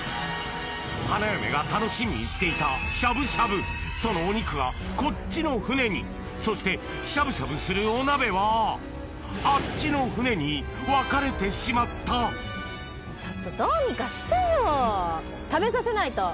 花嫁が楽しみにしていたしゃぶしゃぶそのお肉がこっちの船にそしてしゃぶしゃぶするお鍋はあっちの船に分かれてしまったピンチだ！